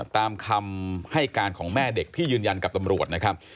ตามคำให้การของแม่เด็กที่ยืนยันกับตำรวจนะครับ